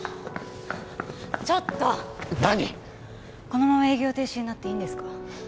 このまま営業停止になっていいんですか？